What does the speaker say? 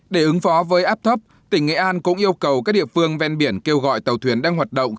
để ứng phó với áp thấp tỉnh nghệ an cũng yêu cầu các địa phương ven biển kêu gọi tàu thuyền đang hoạt động